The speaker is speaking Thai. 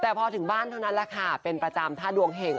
แต่พอถึงบ้านเท่านั้นแหละค่ะเป็นประจำถ้าดวงเห็ง